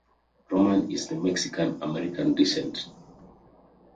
Roman is of Mexican American descent.